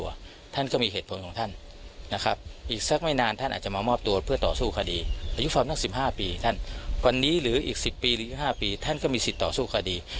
วันนี้หรืออีก๑๐ปีหรือ๑๕ปีท่านก็มีสิทธิ์ต่อสู้คดี